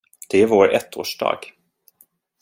Det är vår ettårsdag.